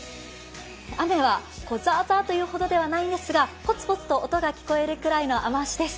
雨はザーザーというほどではないんですが、ポツポツと雨音が聞こえるぐらいのサ雨脚です。